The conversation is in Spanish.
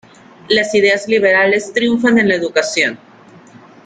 Las ideas liberales triunfan en la educación.